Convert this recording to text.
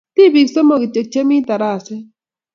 Tipik somok kityo chemi taraset.